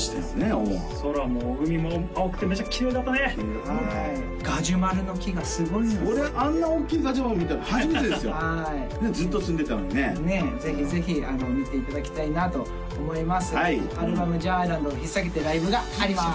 大湾空も海も青くてめちゃきれいだったねガジュマルの木がすごいの俺あんな大きいガジュマル見たの初めてですよずっと住んでたのにねねえぜひぜひ見ていただきたいなと思いますアルバム「ジャアイランド」をひっさげてライブがあります